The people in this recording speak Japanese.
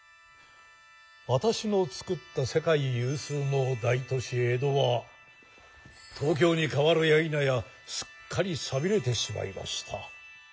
私の作った世界有数の大都市「江戸」は「東京」に変わるやいなやすっかり寂れてしまいました。